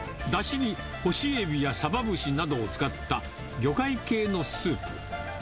だしに干しエビやサバ節などを使った魚介系のスープ。